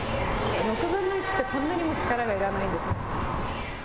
６分の１ってこんなにも力がいらないんですね。